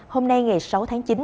hôm nay ngày sáu tháng chín